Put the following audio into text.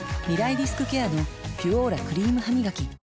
リスクケアの「ピュオーラ」クリームハミガキ